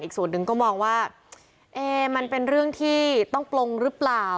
ส่วนหนึ่งก็มองว่ามันเป็นเรื่องที่ต้องปลงหรือเปล่า